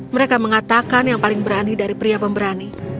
mereka mengatakan yang paling berani dari pria pemberani